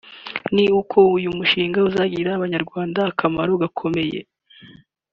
ni uko uyumushinga uzagirira abanyarwanda akamaro gakomeye